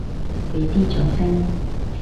畀啲掌聲！